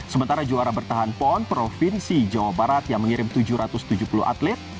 sementara juara bertahan pon provinsi jawa barat yang mengirim tujuh ratus tujuh puluh atlet